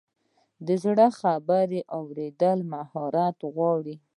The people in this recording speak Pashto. د زړه خبرې اورېدل مهارت غواړي.